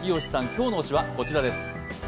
今日の話題はこちらです。